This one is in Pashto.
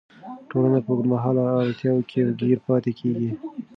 ټولنه په اوږدمهاله اړتیاوو کې ګیر پاتې کیږي.